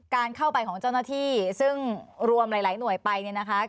การเข้าไปของเจ้าหน้าที่ซึ่งรวมหลายหน่วยไปเนี่ยนะคะ